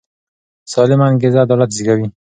سالمه انګیزه عدالت زېږوي